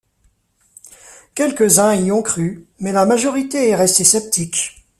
Quelques-uns y ont cru, mais la majorité est restée sceptique.